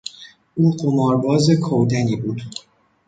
او قمارباز کودنی بود.